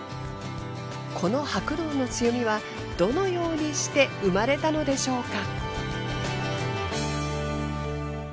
この白銅の強みはどのようにして生まれたのでしょうか？